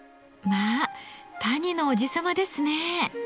まあ谷のおじ様ですね。